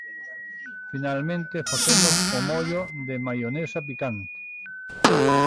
Finalmente facemos o mollo de maionesa picante.